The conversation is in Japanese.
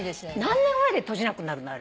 何年ぐらいで閉じなくなるの？